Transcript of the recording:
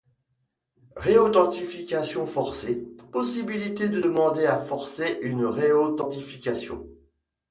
Ré-authentification forcée - Possibilité de demander à forcer une ré-authentification.